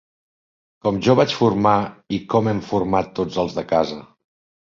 Com jo vaig formar i com hem format tots els de la casa